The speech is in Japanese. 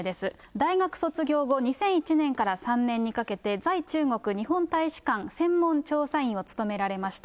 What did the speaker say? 大学卒業後、２００１年から３年にかけて、在中国日本大使館専門調査員を務められました。